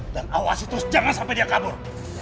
dan awasi terus jangan sampai dia kabur